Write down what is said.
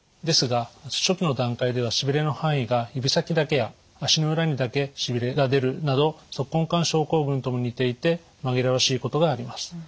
ですが初期の段階ではしびれの範囲が指先だけや足の裏にだけしびれが出るなど足根管症候群とも似ていて紛らわしいことがあります。